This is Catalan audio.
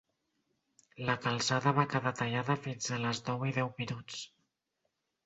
La calçada va quedar tallada fins a les nou i deu minuts.